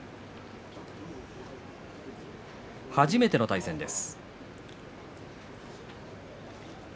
初めての対戦です。